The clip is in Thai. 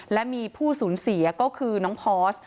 และมีผู้สูญเสียก็คือน้องพอร์ส